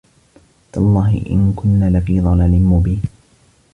تَاللَّهِ إِن كُنّا لَفي ضَلالٍ مُبينٍ